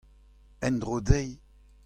En-dro dezhi.